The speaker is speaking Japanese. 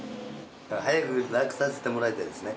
早く楽させてもらいたいですね。